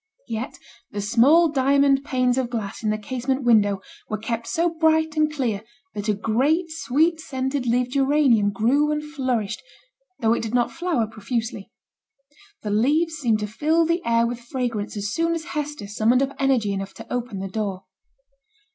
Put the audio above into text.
Yet the small diamond panes of glass in the casement window were kept so bright and clear that a great sweet scented leaved geranium grew and flourished, though it did not flower profusely. The leaves seemed to fill the air with fragrance as soon as Hester summoned up energy enough to open the door.